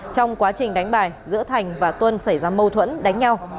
trong quá trình đánh bài giữa thành và tuân xảy ra mâu thuẫn đánh nhau